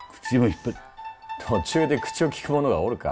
途中で口を利く者がおるか。